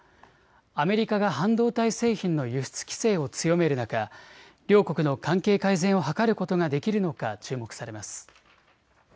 アメリカが半導体製品の輸出規制を強める中、両国の関係改善を図ることができるのか注目されます。